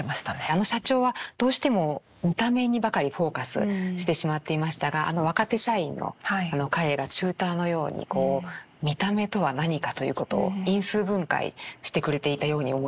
あの社長はどうしても見た目にばかりフォーカスしてしまっていましたがあの若手社員の彼がチューターのようにこう見た目とは何かということを因数分解してくれていたように思います。